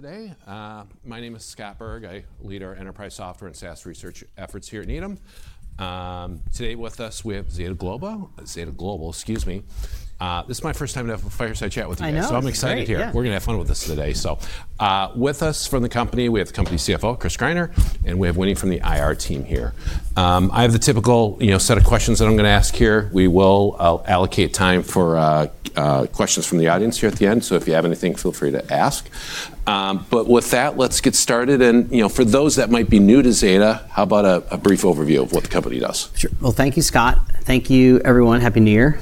Today, my name is Scott Berg. I lead our enterprise software and SaaS research efforts here at Needham. Today with us, we have Zeta Global, Zeta Global, excuse me. This is my first time to have a fireside chat with you. I know. So I'm excited here. We're gonna have fun with this today. So, with us from the company, we have the company CFO, Chris Greiner, and we have Winnie from the IR team here. I have the typical, you know, set of questions that I'm gonna ask here. We will allocate time for questions from the audience here at the end. So if you have anything, feel free to ask. But with that, let's get started. And, you know, for those that might be new to Zeta, how about a brief overview of what the company does? Sure. Well, thank you, Scott. Thank you, everyone. Happy New Year.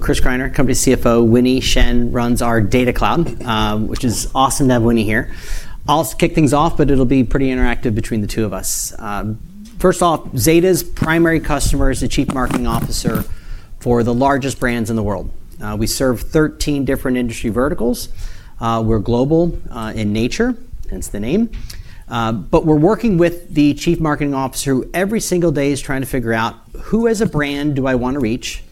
Chris Greiner, company CFO. Winnie Shen runs our Data Cloud, which is awesome to have Winnie here. I'll kick things off, but it'll be pretty interactive between the two of us. First off, Zeta's primary customer is the Chief Marketing Officer for the largest brands in the world. We serve 13 different industry verticals. We're global, in nature, hence the name, but we're working with the Chief Marketing Officer who every single day is trying to figure out who as a brand do I wanna reach,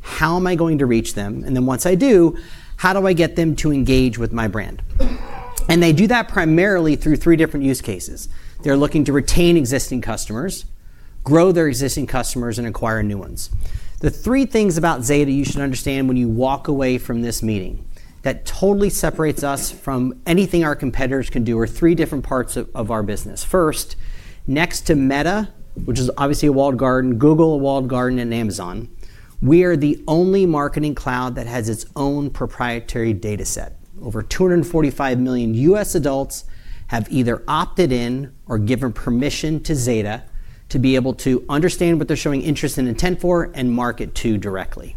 how am I going to reach them, and then once I do, how do I get them to engage with my brand? And they do that primarily through three different use cases. They're looking to retain existing customers, grow their existing customers, and acquire new ones. The three things about Zeta you should understand when you walk away from this meeting that totally separates us from anything our competitors can do are three different parts of our business. First, next to Meta, which is obviously a walled garden, Google, a walled garden, and Amazon, we are the only marketing cloud that has its own proprietary data set. Over 245 million U.S. adults have either opted in or given permission to Zeta to be able to understand what they're showing interest and intent for and market to directly.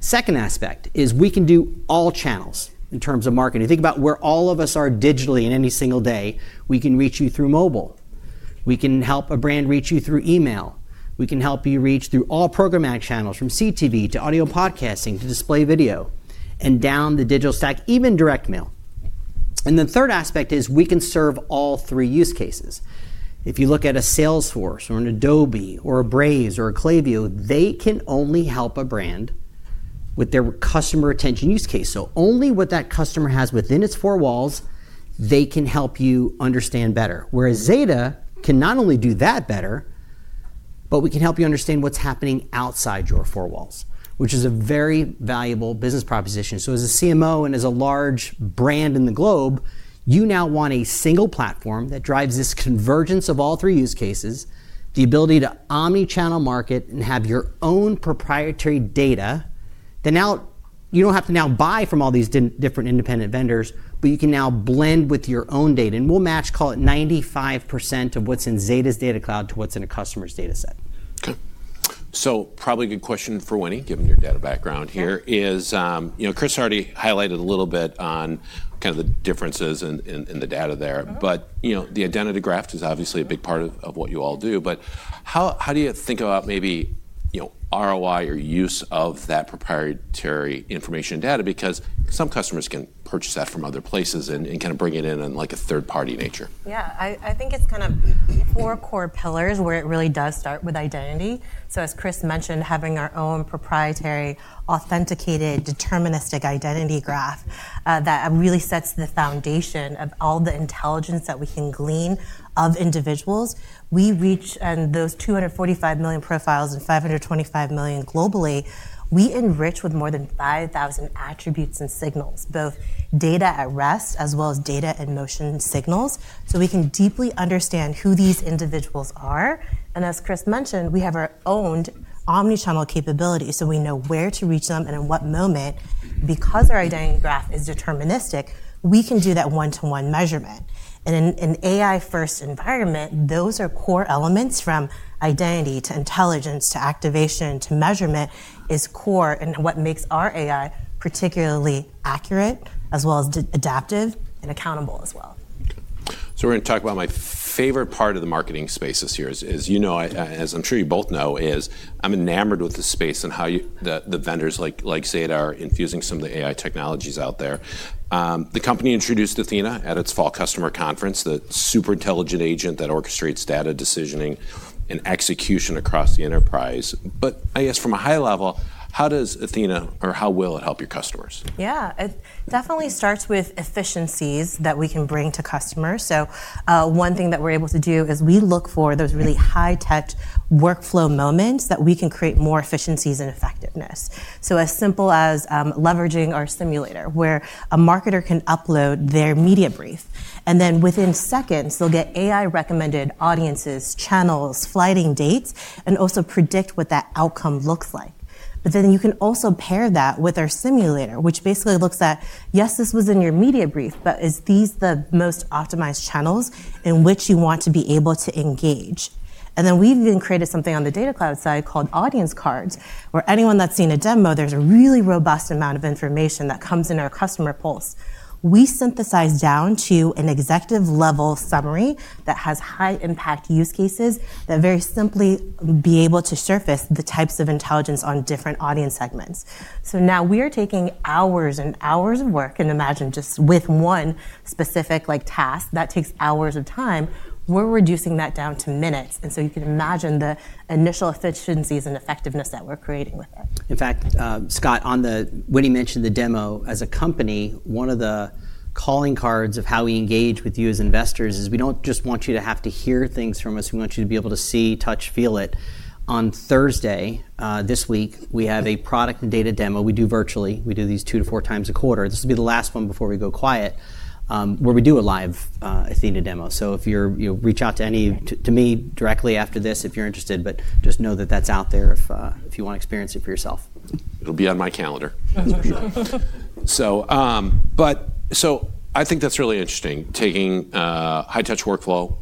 Second aspect is we can do all channels in terms of marketing. Think about where all of us are digitally in any single day. We can reach you through mobile. We can help a brand reach you through email. We can help you reach through all programmatic channels from CTV to audio podcasting to display video and down the digital stack, even direct mail, and the third aspect is we can serve all three use cases. If you look at a Salesforce or an Adobe or a Braze or a Klaviyo, they can only help a brand with their customer retention use case, so only what that customer has within its four walls, they can help you understand better. Whereas Zeta can not only do that better, but we can help you understand what's happening outside your four walls, which is a very valuable business proposition. As a CMO and as a large brand global, you now want a single platform that drives this convergence of all three use cases, the ability to omnichannel market and have your own proprietary data that now you don't have to now buy from all these different independent vendors, but you can now blend with your own data. And we'll match, call it 95% of what's in Zeta's Data Cloud to what's in a customer's data set. Okay. So probably a good question for Winnie, given your data background here, is, you know, Chris already highlighted a little bit on kind of the differences in the data there. But, you know, the Identity Graph is obviously a big part of what you all do. But how do you think about maybe, you know, ROI or use of that proprietary information and data? Because some customers can purchase that from other places and kinda bring it in in like a third-party nature. Yeah. I think it's kind of four core pillars where it really does start with identity. So as Chris mentioned, having our own proprietary authenticated deterministic identity graph, that really sets the foundation of all the intelligence that we can glean of individuals. We reach and those 245 million profiles and 525 million globally, we enrich with more than 5,000 attributes and signals, both data at rest as well as data in motion signals. So we can deeply understand who these individuals are. And as Chris mentioned, we have our owned omnichannel capability. So we know where to reach them and in what moment. Because our identity graph is deterministic, we can do that one-to-one measurement. In an AI-first environment, those are core elements from identity to intelligence to activation to measurement is core and what makes our AI particularly accurate as well as adaptive and accountable as well. Okay. So we're gonna talk about my favorite part of the marketing space this year is, as you know, as I'm sure you both know, I'm enamored with the space and how you, the vendors like Zeta are infusing some of the AI technologies out there. The company introduced Athena at its fall customer conference, the super intelligent agent that orchestrates data decisioning and execution across the enterprise. But I guess from a high level, how does Athena or how will it help your customers? Yeah. It definitely starts with efficiencies that we can bring to customers. So, one thing that we're able to do is we look for those really high-tech workflow moments that we can create more efficiencies and effectiveness. So as simple as, leveraging our simulator where a marketer can upload their media brief, and then within seconds they'll get AI-recommended audiences, channels, flighting dates, and also predict what that outcome looks like. But then you can also pair that with our simulator, which basically looks at, yes, this was in your media brief, but is these the most optimized channels in which you want to be able to engage? And then we've even created something on the data cloud side called Audience Cards where anyone that's seen a demo, there's a really robust amount of information that comes in our Customer Pulse. We synthesize down to an executive-level summary that has high-impact use cases that very simply be able to surface the types of intelligence on different audience segments. So now we are taking hours and hours of work. And imagine just with one specific, like, task that takes hours of time, we're reducing that down to minutes. And so you can imagine the initial efficiencies and effectiveness that we're creating with it. In fact, Scott, Winnie mentioned the demo as a company, one of the calling cards of how we engage with you as investors is we don't just want you to have to hear things from us. We want you to be able to see, touch, feel it. On Thursday, this week, we have a product and data demo we do virtually. We do these two to four times a quarter. This will be the last one before we go quiet, where we do a live Athena demo. So if you're, you know, reach out to me directly after this if you're interested, but just know that that's out there if you wanna experience it for yourself. It'll be on my calendar. That's for sure. So, but so I think that's really interesting, taking high-touch workflow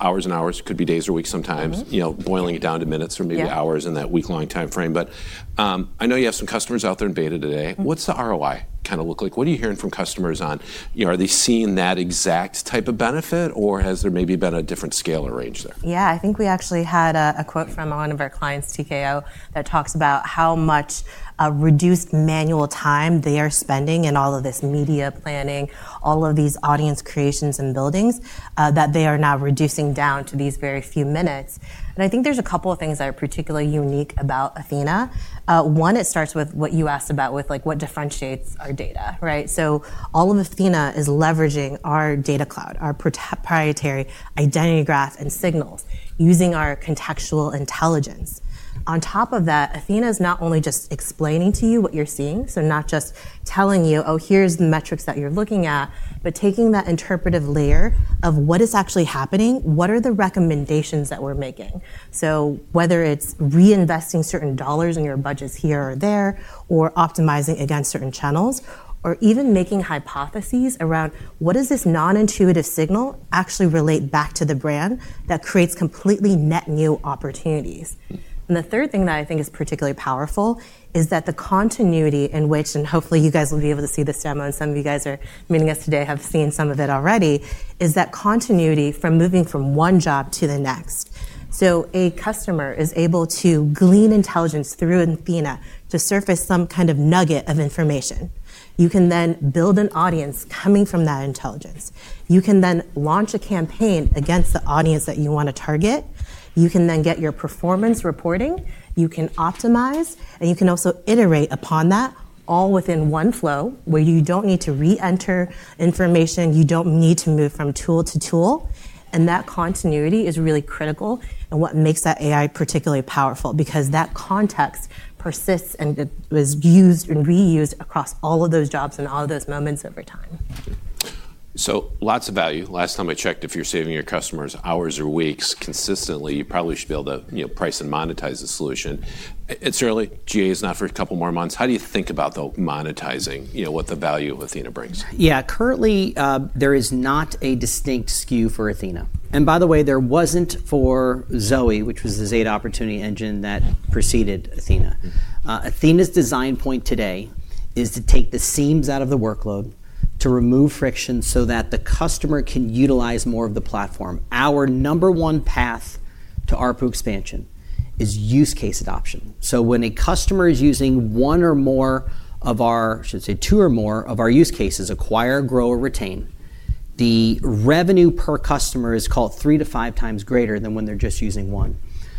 hours and hours, could be days or weeks sometimes, you know, boiling it down to minutes or maybe hours in that week-long timeframe. But I know you have some customers out there in beta today. What's the ROI kinda look like? What are you hearing from customers on, you know, are they seeing that exact type of benefit or has there maybe been a different scale or range there? Yeah. I think we actually had a, a quote from one of our clients, TKO, that talks about how much a reduced manual time they are spending in all of this media planning, all of these audience creations and buildings, that they are now reducing down to these very few minutes. And I think there's a couple of things that are particularly unique about Athena. One, it starts with what you asked about with, like, what differentiates our data, right? So all of Athena is leveraging our Data Cloud, our proprietary Identity Graph and signals using our contextual intelligence. On top of that, Athena is not only just explaining to you what you're seeing, so not just telling you, oh, here's the metrics that you're looking at, but taking that interpretive layer of what is actually happening, what are the recommendations that we're making? So whether it's reinvesting certain dollars in your budgets here or there, or optimizing against certain channels, or even making hypotheses around what does this non-intuitive signal actually relate back to the brand that creates completely net new opportunities. And the third thing that I think is particularly powerful is that the continuity in which, and hopefully you guys will be able to see this demo, and some of you guys are meeting us today have seen some of it already, is that continuity from moving from one job to the next. So a customer is able to glean intelligence through Athena to surface some kind of nugget of information. You can then build an audience coming from that intelligence. You can then launch a campaign against the audience that you wanna target. You can then get your performance reporting. You can optimize, and you can also iterate upon that all within one flow where you don't need to re-enter information. You don't need to move from tool to tool, and that continuity is really critical and what makes that AI particularly powerful because that context persists and it was used and reused across all of those jobs and all of those moments over time. So lots of value. Last time I checked, if you're saving your customers hours or weeks consistently, you probably should be able to, you know, price and monetize the solution. It's early. GA is not for a couple more months. How do you think about the monetizing, you know, what the value of Athena brings? Yeah. Currently, there is not a distinct SKU for Athena. And by the way, there wasn't for Zoe, which was the Zeta Opportunity Engine that preceded Athena. Athena's design point today is to take the seams out of the workload, to remove friction so that the customer can utilize more of the platform. Our number one path to ARPU expansion is use case adoption. So when a customer is using one or more of our, I should say two or more of our use cases, acquire, grow, or retain, the revenue per customer is called three to five times greater than when they're just using one.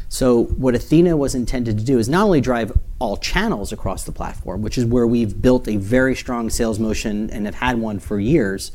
So what Athena was intended to do is not only drive all channels across the platform, which is where we've built a very strong sales motion and have had one for years,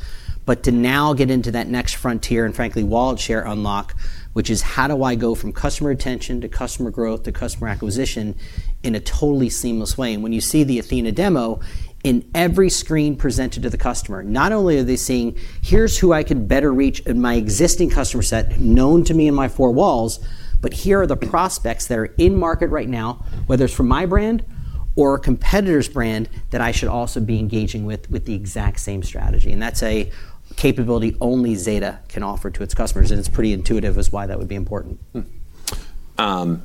but to now get into that next frontier and frankly wallet share unlock, which is how do I go from customer retention to customer growth to customer acquisition in a totally seamless way. And when you see the Athena demo in every screen presented to the customer, not only are they seeing, here's who I could better reach in my existing customer set known to me in my four walls, but here are the prospects that are in market right now, whether it's for my brand or a competitor's brand that I should also be engaging with, with the exact same strategy. And that's a capability only Zeta can offer to its customers. It's pretty intuitive as to why that would be important. And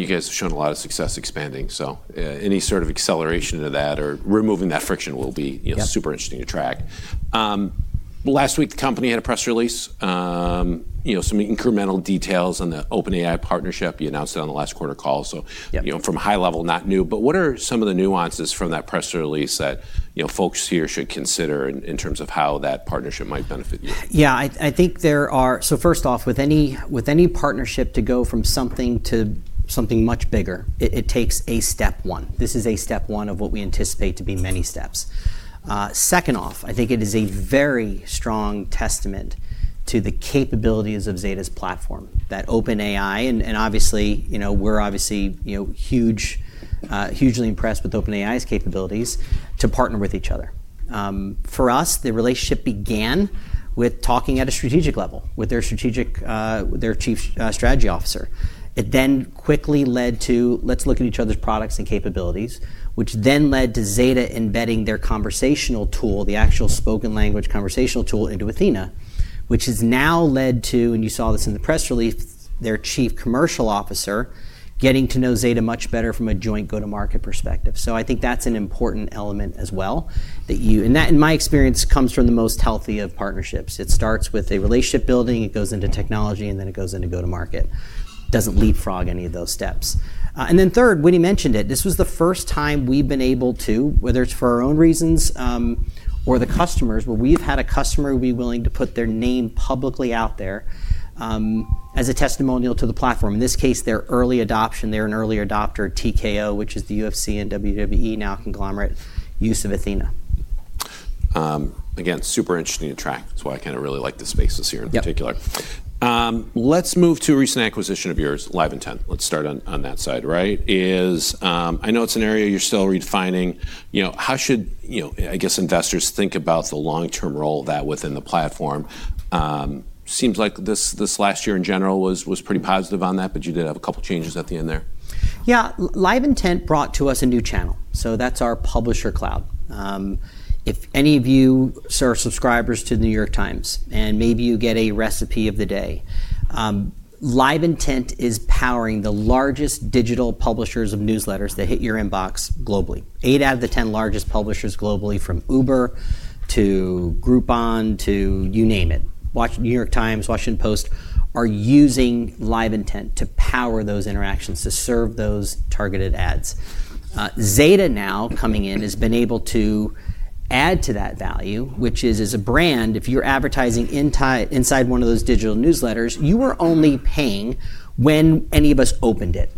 you guys have shown a lot of success expanding. So, any sort of acceleration to that or removing that friction will be, you know, super interesting to track. Last week the company had a press release, you know, some incremental details on the OpenAI partnership. You announced it on the last quarter call. So. Yep. You know, from high level, not new. But what are some of the nuances from that press release that, you know, folks here should consider in terms of how that partnership might benefit you? Yeah. I think there are, so first off, with any partnership to go from something to something much bigger, it takes a step one. This is a step one of what we anticipate to be many steps. Second off, I think it is a very strong testament to the capabilities of Zeta's platform that OpenAI and obviously, you know, we're obviously hugely impressed with OpenAI's capabilities to partner with each other. For us, the relationship began with talking at a strategic level with their chief strategy officer. It then quickly led to, let's look at each other's products and capabilities, which then led to Zeta embedding their conversational tool, the actual spoken language conversational tool into Athena, which has now led to, and you saw this in the press release, their chief commercial officer getting to know Zeta much better from a joint go-to-market perspective. So I think that's an important element as well that you, and that in my experience comes from the most healthy of partnerships. It starts with a relationship building, it goes into technology, and then it goes into go-to-market. Doesn't leapfrog any of those steps, and then third, Winnie mentioned it. This was the first time we've been able to, whether it's for our own reasons, or the customers, where we've had a customer be willing to put their name publicly out there, as a testimonial to the platform In this case, their early adoption. They're an early adopter. TKO, which is the UFC and WWE now, conglomerate use of Athena. Again, super interesting to track. That's why I kinda really like the spaces here in particular. Yep. Let's move to a recent acquisition of yours, LiveIntent. Let's start on that side, right? I know it's an area you're still redefining. You know, how should, you know, I guess investors think about the long-term role of that within the platform? Seems like this last year in general was pretty positive on that, but you did have a couple changes at the end there. Yeah. LiveIntent brought to us a new channel. So that's our Publisher Cloud. If any of you are subscribers to the New York Times and maybe you get a recipe of the day, LiveIntent is powering the largest digital publishers of newsletters that hit your inbox globally. Eight out of the 10 largest publishers globally, from Uber to Groupon to you name it, Washington Post, New York Times, Washington Post, are using LiveIntent to power those interactions to serve those targeted ads. Zeta now coming in has been able to add to that value, which is, as a brand, if you're advertising in it inside one of those digital newsletters, you were only paying when any of us opened it.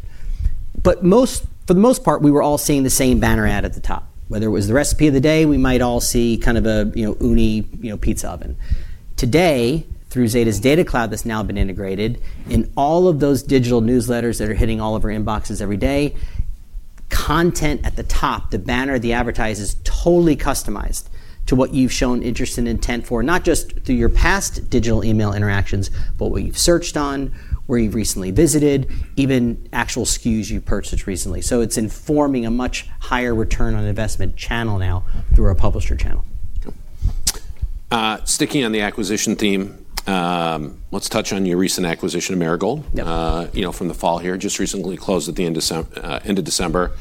But most, for the most part, we were all seeing the same banner ad at the top. Whether it was the recipe of the day, we might all see kind of a, you know, Ooni, you know, pizza oven. Today, through Zeta's Data Cloud that's now been integrated in all of those digital newsletters that are hitting all of our inboxes every day, content at the top, the banner, the advertisers totally customized to what you've shown interest and intent for, not just through your past digital email interactions, but what you've searched on, where you've recently visited, even actual SKUs you purchased recently. So it's informing a much higher return on investment channel now through our publisher channel. Sticking on the acquisition theme, let's touch on your recent acquisition of Marigold. Yep. You know, from the fall here, just recently closed at the end of '23, end of December.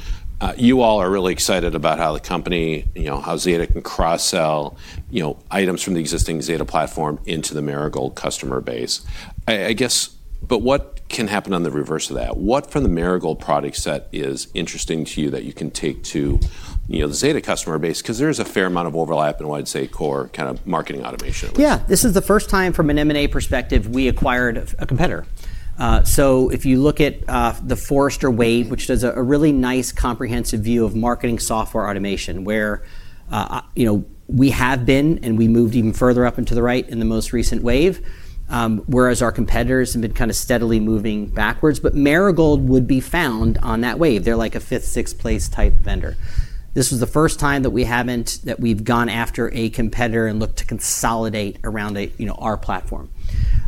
You all are really excited about how the company, you know, how Zeta can cross-sell, you know, items from the existing Zeta platform into the Marigold customer base. I, I guess, but what can happen on the reverse of that? What from the Marigold product set is interesting to you that you can take to, you know, the Zeta customer base? 'Cause there's a fair amount of overlap in what I'd say core kind of marketing automation. Yeah. This is the first time from an M&A perspective we acquired a competitor. So if you look at the Forrester Wave, which does a really nice comprehensive view of marketing software automation where, you know, we have been and we moved even further up into the right in the most recent wave, whereas our competitors have been kind of steadily moving backwards. But Marigold would be found on that wave. They're like a fifth, sixth place type vendor. This was the first time that we haven't, that we've gone after a competitor and looked to consolidate around a, you know, our platform.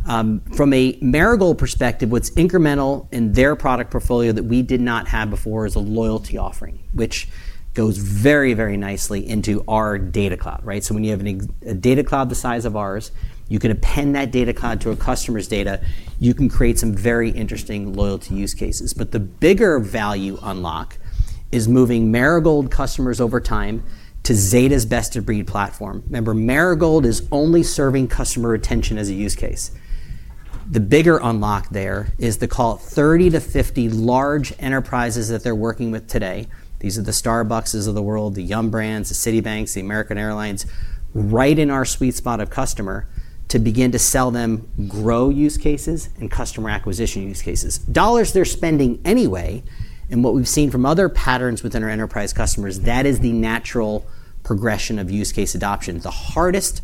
From a Marigold perspective, what's incremental in their product portfolio that we did not have before is a loyalty offering, which goes very, very nicely into our Data Cloud, right? When you have Data cloud the size of ours, you can append that Data Cloud to a customer's data, you can create some very interesting loyalty use cases. But the bigger value unlock is moving Marigold customers over time to Zeta's best of breed platform. Remember, Marigold is only serving customer retention as a use case. The bigger unlock there is the 30 to 50 large enterprises that they're working with today. These are the Starbucks of the world, the Yum! Brands, the Citibank, the American Airlines, right in our sweet spot of customer to begin to sell them growth use cases and customer acquisition use cases. Dollars they're spending anyway. And what we've seen from other patterns within our enterprise customers, that is the natural progression of use case adoption. The hardest,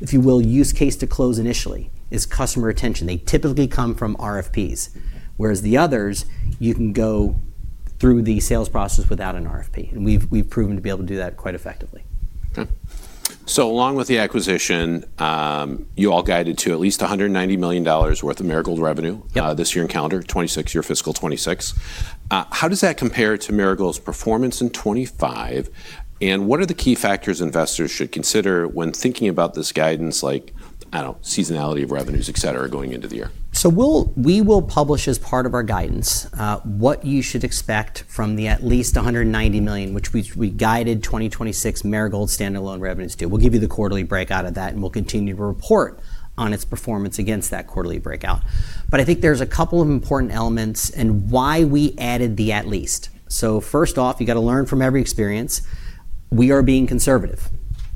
if you will, use case to close initially is customer retention. They typically come from RFPs, whereas the others, you can go through the sales process without an RFP, and we've proven to be able to do that quite effectively. Okay. So along with the acquisition, you all guided to at least $190 million worth of Marigold revenue. Yep. This year in calendar 2026, fiscal 2026. How does that compare to Marigold's performance in 2025? And what are the key factors investors should consider when thinking about this guidance, like, I don't know, seasonality of revenues, et cetera, going into the year? So we will publish as part of our guidance, what you should expect from the at least $190 million, which we guided 2026 Marigold standalone revenues to. We'll give you the quarterly breakout of that, and we'll continue to report on its performance against that quarterly breakout. But I think there's a couple of important elements and why we added the at least. So first off, you gotta learn from every experience. We are being conservative.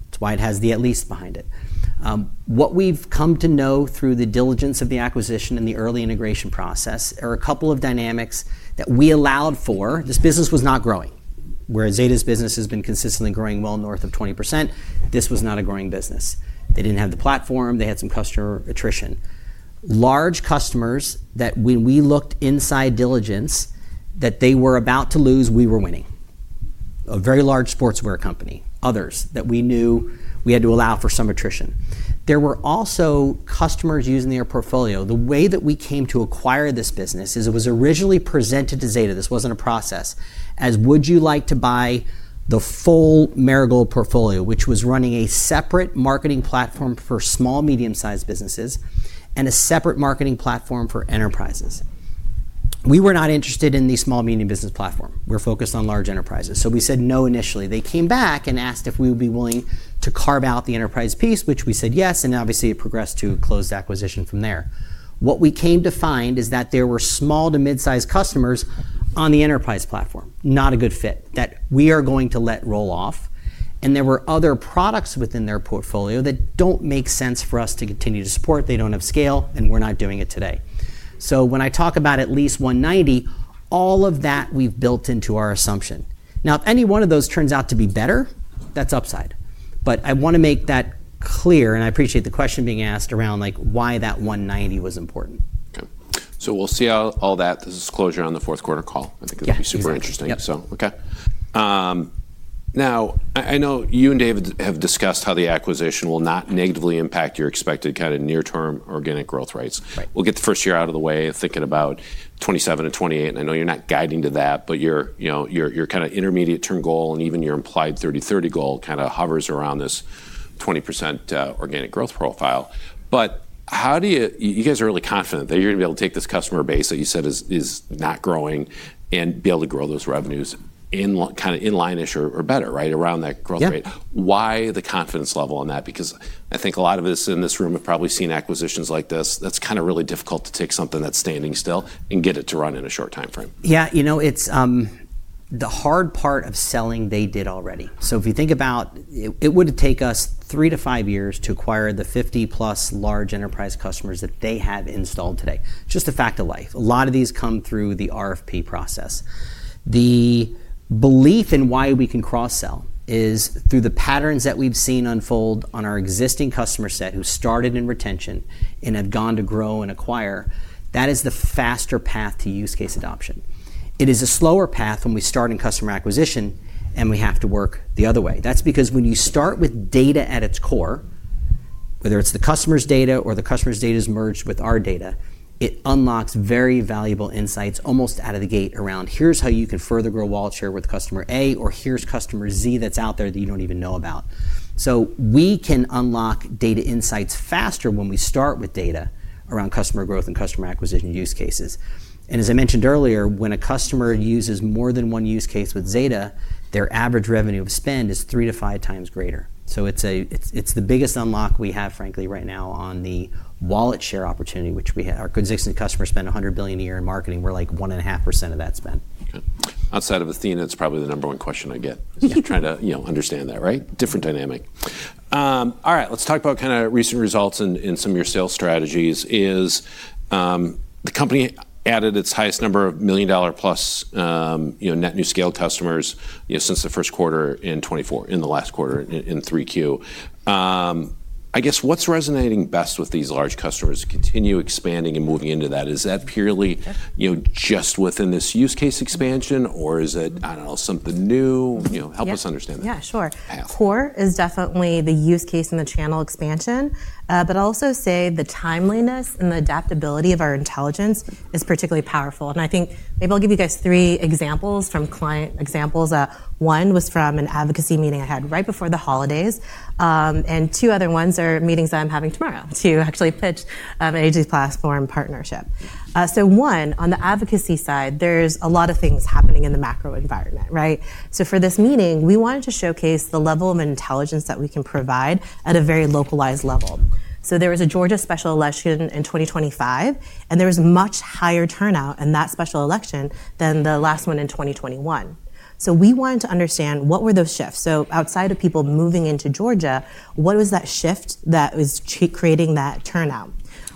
That's why it has the at least behind it. What we've come to know through the diligence of the acquisition and the early integration process are a couple of dynamics that we allowed for. This business was not growing, whereas Zeta's business has been consistently growing well north of 20%. This was not a growing business. They didn't have the platform. They had some customer attrition. Large customers that when we looked in due diligence that they were about to lose, we were winning. A very large sportswear company, others that we knew we had to allow for some attrition. There were also customers using their portfolio. The way that we came to acquire this business is it was originally presented to Zeta. This wasn't a process as would you like to buy the full Marigold portfolio, which was running a separate marketing platform for small, medium-sized businesses and a separate marketing platform for enterprises. We were not interested in the small, medium business platform. We're focused on large enterprises. So we said no initially. They came back and asked if we would be willing to carve out the enterprise piece, which we said yes, and obviously it progressed to a closed acquisition from there. What we came to find is that there were small to mid-sized customers on the enterprise platform, not a good fit that we are going to let roll off. And there were other products within their portfolio that don't make sense for us to continue to support. They don't have scale, and we're not doing it today. So when I talk about at least 190, all of that we've built into our assumption. Now, if any one of those turns out to be better, that's upside. But I wanna make that clear, and I appreciate the question being asked around like why that 190 was important. Okay, so we'll see all that. This is closure on the fourth quarter call. I think it'll be super interesting. Yep. So, okay. Now I know you and David have discussed how the acquisition will not negatively impact your expected kind of near-term organic growth rates. Right. We'll get the first year out of the way thinking about 2027 to 2028. And I know you're not guiding to that, but you're, you know, your intermediate term goal and even your implied 30/30 goal kind of hovers around this 20% organic growth profile. But how do you, you guys are really confident that you're gonna be able to take this customer base that you said is not growing and be able to grow those revenues in kind of in line-ish or better, right, around that growth rate? Yeah. Why the confidence level on that? Because I think a lot of us in this room have probably seen acquisitions like this that's kind of really difficult to take something that's standing still and get it to run in a short timeframe. Yeah. You know, it's the hard part of selling they did already. So if you think about it, it would've taken us three to five years to acquire the 50 plus large enterprise customers that they have installed today. Just a fact of life. A lot of these come through the RFP process. The belief in why we can cross-sell is through the patterns that we've seen unfold on our existing customer set who started in retention and have gone to grow and acquire. That is the faster path to use case adoption. It is a slower path when we start in customer acquisition and we have to work the other way. That's because when you start with data at its core, whether it's the customer's data or the customer's data's merged with our data, it unlocks very valuable insights almost out of the gate around here's how you can further grow wallet share with customer A or here's customer Z that's out there that you don't even know about. We can unlock data insights faster when we start with data around customer growth and customer acquisition use cases. As I mentioned earlier, when a customer uses more than one use case with Zeta, their average revenue of spend is three to five times greater. It's the biggest unlock we have, frankly, right now on the wallet share opportunity, which we have. Our customers consistently spend $100 billion a year in marketing. We're like 1.5% of that spend. Okay. Outside of Athena, it's probably the number one question I get is trying to, you know, understand that, right? Different dynamic. All right. Let's talk about kind of recent results in some of your sales strategies. The company added its highest number of million-dollar-plus, you know, net new scale customers, you know, since the first quarter in 2024, in the last quarter in Q3. I guess what's resonating best with these large customers to continue expanding and moving into that? Is that purely, you know, just within this use case expansion, or is it, I don't know, something new? You know, help us understand that. Yeah, sure. Core is definitely the use case and the channel expansion, but I'll also say the timeliness and the adaptability of our intelligence is particularly powerful. And I think maybe I'll give you guys three examples from client examples. One was from an advocacy meeting I had right before the holidays, and two other ones are meetings that I'm having tomorrow to actually pitch an AG platform partnership. So one, on the advocacy side, there's a lot of things happening in the macro environment, right? So for this meeting, we wanted to showcase the level of intelligence that we can provide at a very localized level. So there was a Georgia special election in 2025, and there was much higher turnout in that special election than the last one in 2021. So we wanted to understand what were those shifts. So, outside of people moving into Georgia, what was that shift that was creating that turnout?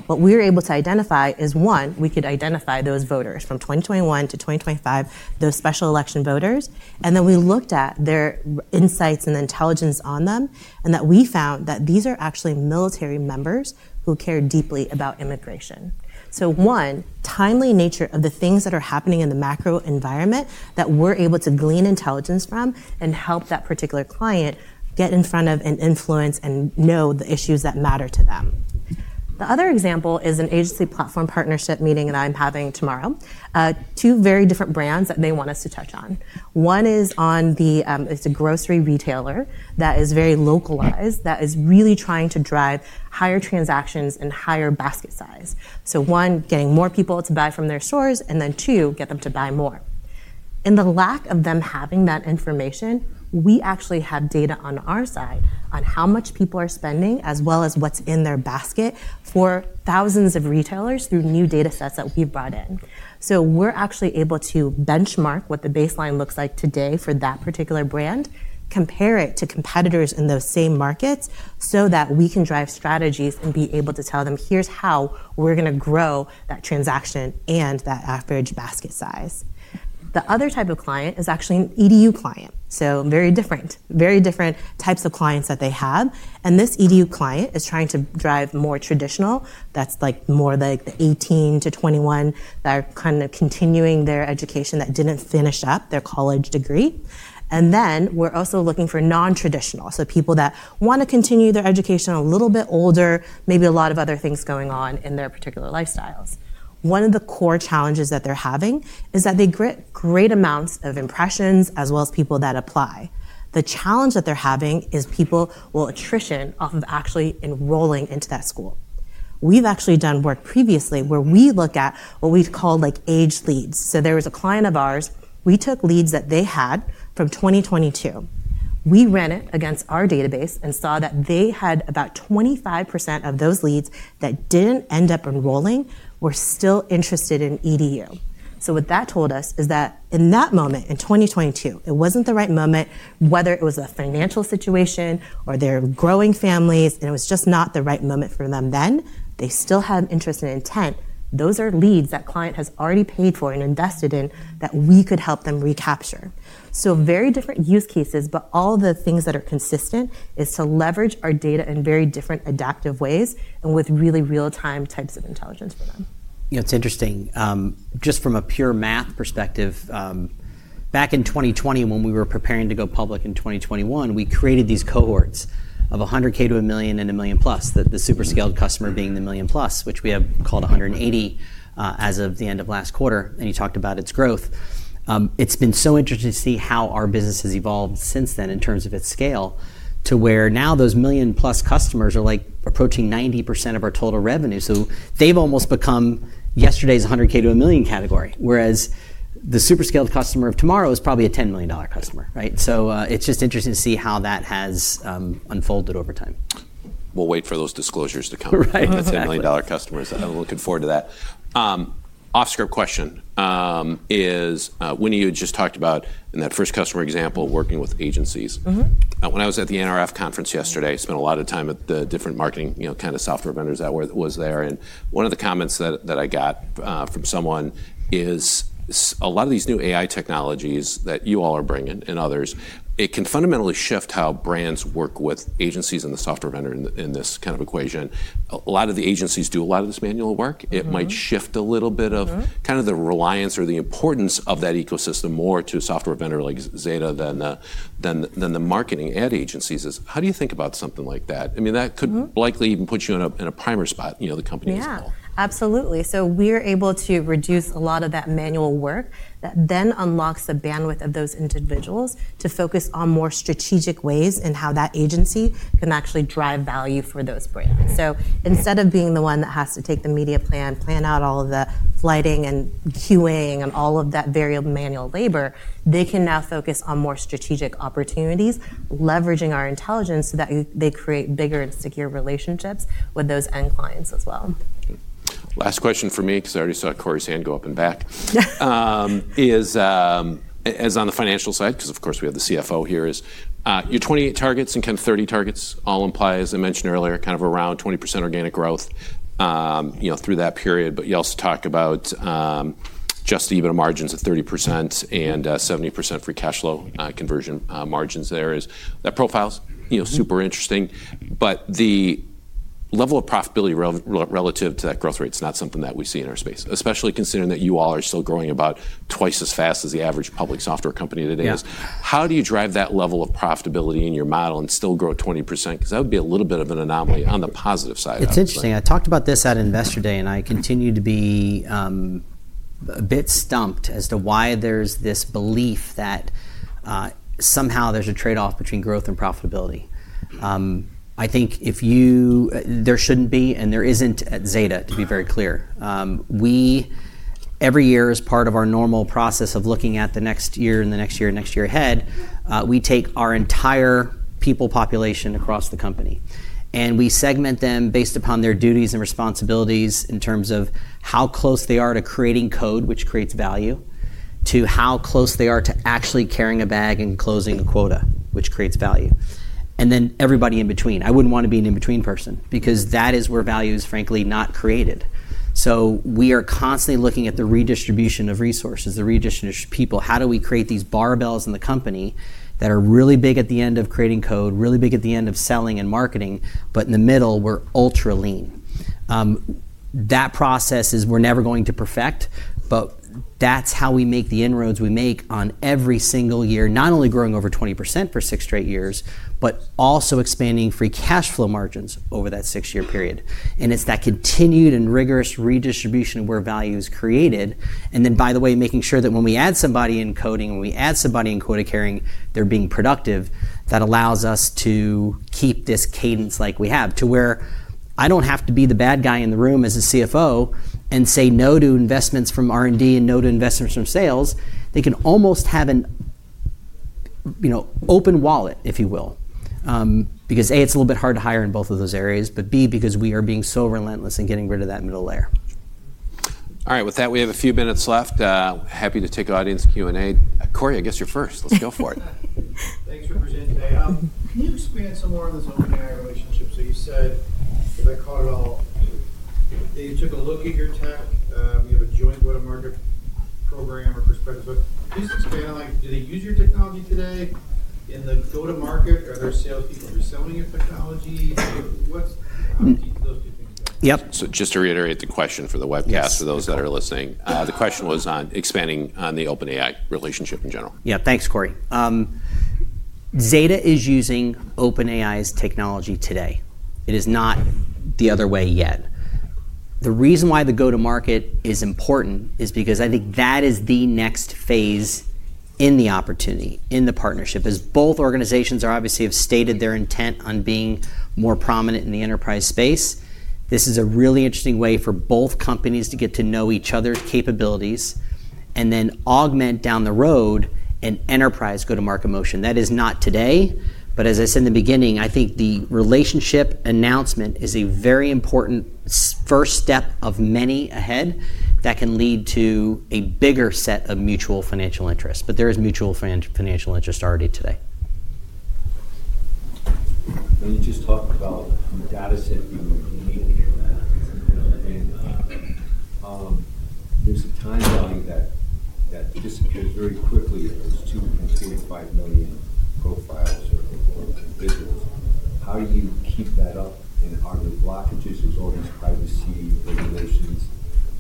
What we were able to identify is one, we could identify those voters from 2021 to 2025, those special election voters. And then we looked at their insights and intelligence on them, and that we found that these are actually military members who care deeply about immigration. So, one, timely nature of the things that are happening in the macro environment that we're able to glean intelligence from and help that particular client get in front of and influence and know the issues that matter to them. The other example is an agency platform partnership meeting that I'm having tomorrow. Two very different brands that they want us to touch on. One is on the. It's a grocery retailer that is very localized that is really trying to drive higher transactions and higher basket size. So one, getting more people to buy from their stores, and then two, get them to buy more. In the lack of them having that information, we actually have data on our side on how much people are spending as well as what's in their basket for thousands of retailers through new data sets that we've brought in. So we're actually able to benchmark what the baseline looks like today for that particular brand, compare it to competitors in those same markets so that we can drive strategies and be able to tell them, here's how we're gonna grow that transaction and that average basket size. The other type of client is actually an EDU client. So very different, very different types of clients that they have. And this EDU client is trying to drive more traditional. That's like more like the 18 to 21 that are kind of continuing their education that didn't finish up their college degree. And then we're also looking for non-traditional. So people that wanna continue their education a little bit older, maybe a lot of other things going on in their particular lifestyles. One of the core challenges that they're having is that they get great amounts of impressions as well as people that apply. The challenge that they're having is people will attrition off of actually enrolling into that school. We've actually done work previously where we look at what we've called like aged leads. So there was a client of ours, we took leads that they had from 2022. We ran it against our database and saw that they had about 25% of those leads that didn't end up enrolling were still interested in EDU. So what that told us is that in that moment in 2022, it wasn't the right moment, whether it was a financial situation or they're growing families and it was just not the right moment for them then, they still have interest and intent. Those are leads that client has already paid for and invested in that we could help them recapture. So very different use cases, but all the things that are consistent is to leverage our data in very different adaptive ways and with really real-time types of intelligence for them. You know, it's interesting, just from a pure math perspective, back in 2020, when we were preparing to go public in 2021, we created these cohorts of a 100,000 to a million and a million plus, the super scaled customer being the million plus, which we have called 180, as of the end of last quarter, and you talked about its growth. It's been so interesting to see how our business has evolved since then in terms of its scale to where now those million plus customers are like approaching 90% of our total revenue. So they've almost become yesterday's 100,000 to a million category, whereas the super scaled customer of tomorrow is probably a $10 million customer, right? So, it's just interesting to see how that has unfolded over time. We'll wait for those disclosures to come. Right. That's $1 million customers. I'm looking forward to that. Off-script question: when you just talked about in that first customer example working with agencies. Mm-hmm. When I was at the NRF conference yesterday, spent a lot of time at the different marketing, you know, kind of software vendors that were there. And one of the comments that I got from someone is a lot of these new AI technologies that you all are bringing and others, it can fundamentally shift how brands work with agencies and the software vendor in this kind of equation. A lot of the agencies do a lot of this manual work. It might shift a little bit of kind of the reliance or the importance of that ecosystem more to a software vendor like Zeta than the marketing ad agencies. How do you think about something like that? I mean, that could likely even put you in a premier spot, you know, the company as well. Yeah, absolutely. So we are able to reduce a lot of that manual work that then unlocks the bandwidth of those individuals to focus on more strategic ways and how that agency can actually drive value for those brands. So instead of being the one that has to take the media plan, plan out all of the flighting and QAing and all of that variable manual labor, they can now focus on more strategic opportunities, leveraging our intelligence so that they create bigger and secure relationships with those end clients as well. Last question for me, 'cause I already saw Corey's hand go up and back. As on the financial side, 'cause of course we have the CFO here, your 28 targets and kind of 30 targets all imply, as I mentioned earlier, kind of around 20% organic growth, you know, through that period. But you also talk about just even a margins of 30% and 70% Free Cash Flow conversion margins there. Is that profiles, you know, super interesting, but the level of profitability relative to that growth rate's not something that we see in our space, especially considering that you all are still growing about twice as fast as the average public software company today is. How do you drive that level of profitability in your model and still grow 20%? 'Cause that would be a little bit of an anomaly on the positive side of it. It's interesting. I talked about this at Investor Day, and I continue to be a bit stumped as to why there's this belief that somehow there's a trade-off between growth and profitability. I think if you, there shouldn't be, and there isn't at Zeta, to be very clear. We every year, as part of our normal process of looking at the next year and the next year and next year ahead, we take our entire people population across the company and we segment them based upon their duties and responsibilities in terms of how close they are to creating code, which creates value, to how close they are to actually carrying a bag and closing a quota, which creates value. And then everybody in between, I wouldn't wanna be an in-between person because that is where value is frankly not created. So we are constantly looking at the redistribution of resources, the redistribution of people. How do we create these barbells in the company that are really big at the end of creating code, really big at the end of selling and marketing, but in the middle we're ultra lean? That process, we're never going to perfect, but that's how we make the inroads we make on every single year, not only growing over 20% for six straight years, but also expanding Free Cash Flow margins over that six-year period. And it's that continued and rigorous redistribution where value is created. And then, by the way, making sure that when we add somebody in coding, when we add somebody in quota carrying, they're being productive. That allows us to keep this cadence like we have to where I don't have to be the bad guy in the room as a CFO and say no to investments from R&D and no to investments from sales. They can almost have an, you know, open wallet, if you will, because A, it's a little bit hard to hire in both of those areas, but B, because we are being so relentless in getting rid of that middle layer. All right. With that, we have a few minutes left. Happy to take audience Q and A. Corey, I guess you're first. Let's go for it. Thanks for presenting today. Can you expand some more on this OpenAI relationship? So you said, if I caught it all, they took a look at your tech, you have a joint go-to-market program or perspective, but just expand, like, do they use your technology today in the go-to-market? Are there salespeople reselling your technology? What's, how deep do those two things go? Yep, so just to reiterate the question for the webcast, for those that are listening, the question was on expanding on the OpenAI relationship in general. Yeah. Thanks, Corey. Zeta is using OpenAI's technology today. It is not the other way yet. The reason why the go-to-market is important is because I think that is the next phase in the opportunity in the partnership, as both organizations are obviously have stated their intent on being more prominent in the enterprise space. This is a really interesting way for both companies to get to know each other's capabilities and then augment down the road an enterprise go-to-market motion. That is not today, but as I said in the beginning, I think the relationship announcement is a very important first step of many ahead that can lead to a bigger set of mutual financial interests. But there is mutual financial interest already today. When you just talked about the data set being immediately in that, it's a very interesting thing. There's a time value that disappears very quickly of those 2.5 million profiles or individual. How do you keep that up? And are there blockages? There's all these privacy regulations.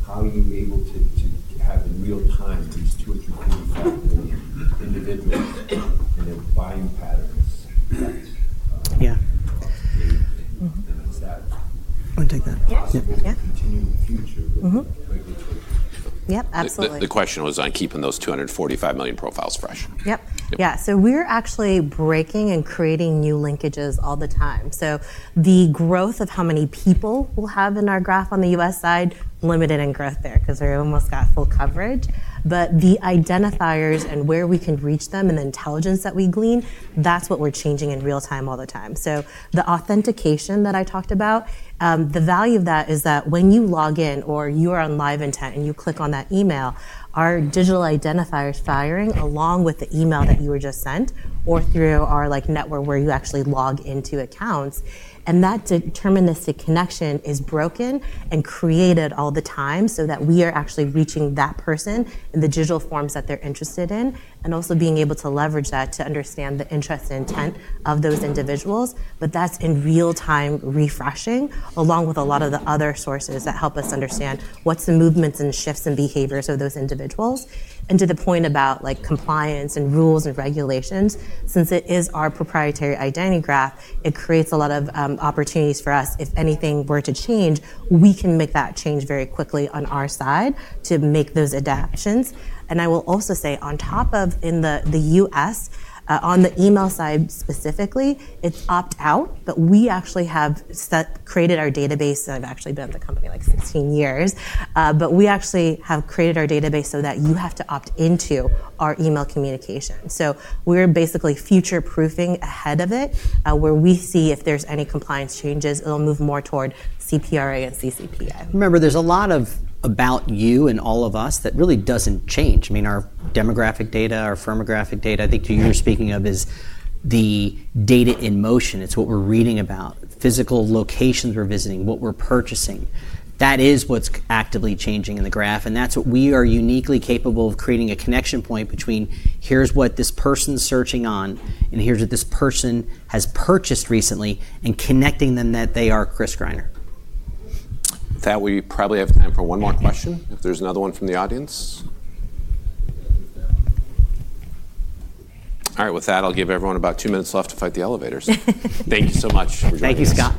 How are you able to have in real time these 2.5 million individuals and their buying patterns? Yeah. That's that. I'm gonna take that. Yes. Yeah. Continue in the future, but regulatory. Yep. Absolutely. The question was on keeping those 245 million profiles fresh. Yep. Yeah. So we are actually breaking and creating new linkages all the time. So the growth of how many people we'll have in our graph on the U.S. side, limited in growth there 'cause we almost got full coverage. But the identifiers and where we can reach them and the intelligence that we glean, that's what we're changing in real time all the time. So the authentication that I talked about, the value of that is that when you log in or you are on LiveIntent and you click on that email, our digital identifiers firing along with the email that you were just sent or through our like network where you actually log into accounts. That deterministic connection is broken and created all the time so that we are actually reaching that person in the digital forms that they're interested in and also being able to leverage that to understand the interest and intent of those individuals. That's in real time refreshing along with a lot of the other sources that help us understand what's the movements and shifts and behaviors of those individuals. To the point about like compliance and rules and regulations, since it is our proprietary Identity Graph, it creates a lot of opportunities for us. If anything were to change, we can make that change very quickly on our side to make those adaptations. I will also say on top of, in the U.S., on the email side specifically, it's opt out, but we actually have set created our database. I've actually been at the company like 16 years, but we actually have created our database so that you have to opt into our email communication. So we are basically future-proofing ahead of it, where we see if there's any compliance changes, it'll move more toward CPRA and CCPA. Remember, there's a lot about you and all of us that really doesn't change. I mean, our demographic data, our firmographic data, I think you're speaking of is the data in motion. It's what we're reading about, physical locations we're visiting, what we're purchasing. That is what's actively changing in the graph. And that's what we are uniquely capable of creating a connection point between, here's what this person's searching on and here's what this person has purchased recently and connecting them that they are Chris Greiner. That we probably have time for one more question if there's another one from the audience. All right. With that, I'll give everyone about two minutes left to fight the elevators. Thank you so much for joining us. Thank you, Scott.